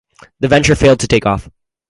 The venture failed to take off.